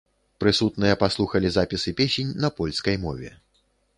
Прысутныя паслухалі запісы песень на польскай мове.